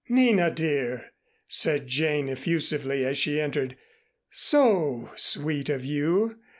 "Nina, dear!" said Jane effusively as she entered. "So sweet of you.